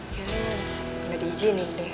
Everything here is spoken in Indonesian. kayaknya gak diiji nih deh